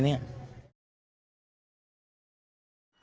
เมื่อโดยขอบคุณ